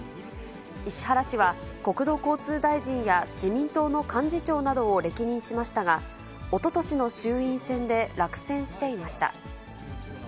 石原氏は国土交通大臣や自民党の幹事長などを歴任しましたが、おととしの衆院選で落選していました。